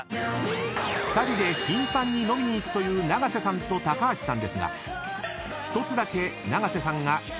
［２人で頻繁に飲みに行くという永瀬さんと橋さんですが］